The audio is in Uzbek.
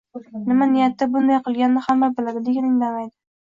Nima niyatda bunday qilganini hamma biladi, lekin indamaydi